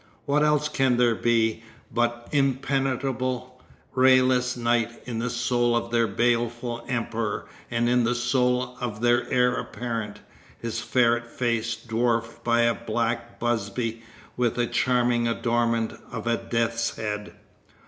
What else can there be but impenetrable, rayless night in the soul of their baleful Emperor and in the soul of their heir apparent, his ferret face dwarfed by a black busby with the charming adornment of a death's head?